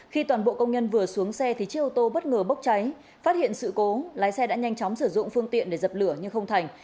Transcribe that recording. khi toàn bộ công nhân vừa xuống xe thì chiếc ô tô bất ngờ bốc cháy phát hiện sự cố lái xe đã nhanh chóng sử dụng phương tiện để dập lửa nhưng không thành